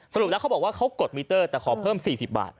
สรุปแล้วเขาบอกว่าเขากดมิเตอร์แต่ขอเพิ่ม๔๐บาท